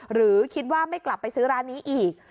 หรือคิดว่าไม่กลับไปซื้อร้านนี้อีก